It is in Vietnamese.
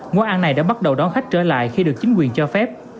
quán ăn này đã bắt đầu đón khách trở lại khi được chính quyền cho phép